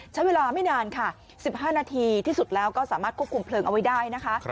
ใช้เวลาไม่นานค่ะ๑๕นาทีที่สุดแล้วก็สามารถควบคุมเพลิงเอาไว้ได้นะคะ